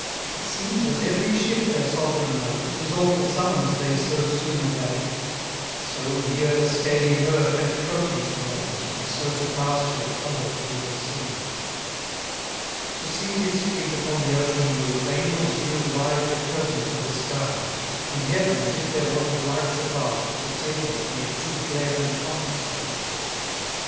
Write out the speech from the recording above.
15 It seems as every ship their sovereign knows, His awful summons they so soon obey; So hear the scaly herd when Proteus blows, And so to pasture follow through the sea. 16 To see this fleet upon the ocean move, Angels drew wide the curtains of the skies; And heaven, as if there wanted lights above, For tapers made two glaring comets rise.